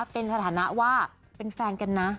เป็นสถานะว่าเป็นแฟนกันนะ